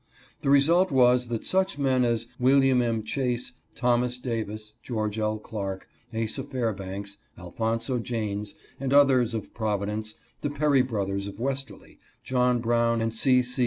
The result was that such men as William M. Chase, Thomas Davis, George L. Clark, Asa Fairbanks, Alphonso Janes, and others of Providence, the Perry brothers of Westerly, John Brown and C. C.